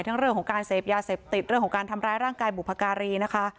เรื่องของการเสพยาเสพติดเรื่องของการทำร้ายร่างกายบุพการีนะคะ